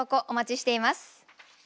お待ちしています。